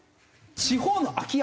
地方の空き家。